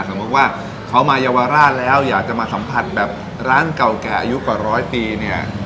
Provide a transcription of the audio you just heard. สมมุติว่าเขามาเยาวราชแล้วอยากจะมาสัมผัสแบบร้านเก่าแก่อายุกว่าร้อยปีเนี่ย